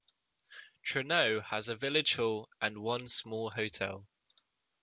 Treknow has a village hall and one small hotel.